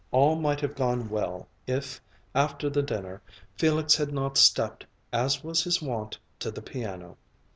All might have gone well if, after the dinner, Felix had not stepped, as was his wont, to the piano.